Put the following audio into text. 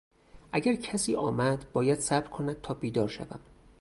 اگر کسی آمد باید صبر کند تا بیدار شوم.